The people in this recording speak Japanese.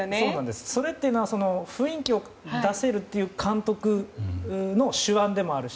それっていうのは雰囲気を出せる監督手腕でもあるし